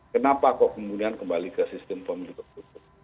kenapa kok kemudian kembali ke sistem pemilu tertutup